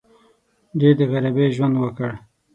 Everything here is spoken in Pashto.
ډېر د غریبۍ ژوند وکړ.